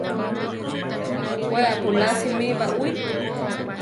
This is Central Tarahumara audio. We apulásimi baʼwí.